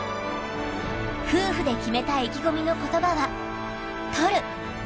夫婦で決めた意気込みの言葉は「獲る！！」。